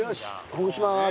ほぐします。